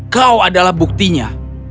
kau adalah buktinya